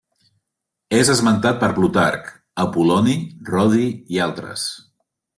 És esmentat per Plutarc, Apol·loni Rodi i altres.